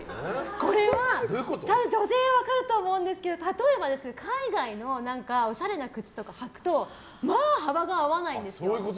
これは女性は分かると思うんですけど例えば、海外のおしゃれな靴とかはくとまあ、幅が合わないんですよ。